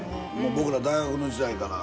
僕ら大学の時代から。